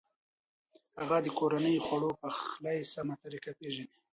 هغه د کورنۍ د خوړو د پخلي سمه طریقه پېژني.